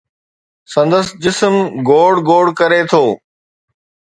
سندس جسم، گوڙ گوڙ ڪري ٿو